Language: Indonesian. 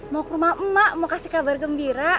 mau ke rumah emak mau kasih kabar gembira